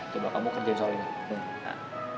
coba kamu kerjain soalnya